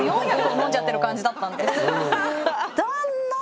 飲んじゃってる感じだったんです。